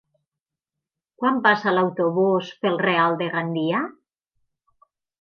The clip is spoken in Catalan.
Quan passa l'autobús per el Real de Gandia?